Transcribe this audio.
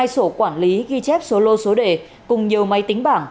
hai sổ quản lý ghi chép số lô số đề cùng nhiều máy tính bảng